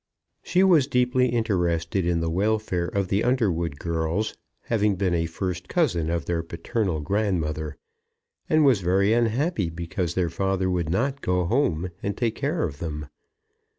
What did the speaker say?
She was deeply interested in the welfare of the Underwood girls, having been a first cousin of their paternal grandmother, and was very unhappy because their father would not go home and take care of them.